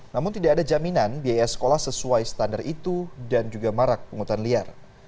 namun tidak ada jaminan biaya sekolah sesuai standar itu dan juga marak penghutang liar